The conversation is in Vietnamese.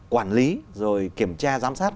quản lý rồi kiểm tra giám sát